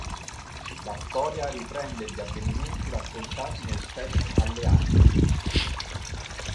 La storia riprende gli avvenimenti raccontati nel set Alleanze.